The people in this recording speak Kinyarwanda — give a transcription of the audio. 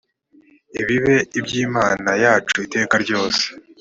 ibibe iby imana yacu iteka ryose